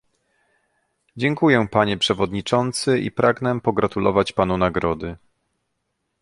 Dziękuję, panie przewodniczący, i pragnę pogratulować panu nagrody